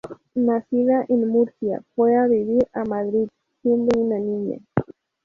Nacida en Murcia, fue a vivir a Madrid siendo una niña.